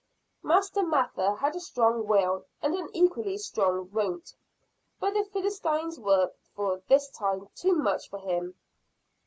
Master Mather had a strong will and an equally strong won't but the Philistines were, for this time, too much for him.